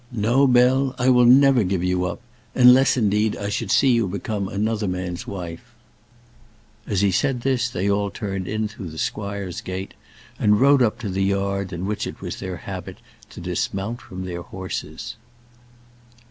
No, Bell, I will never give you up, unless, indeed, I should see you become another man's wife." As he said this, they all turned in through the squire's gate, and rode up to the yard in which it was their habit to dismount from their horses.